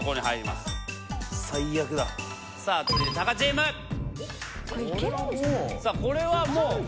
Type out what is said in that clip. さあこれはもう。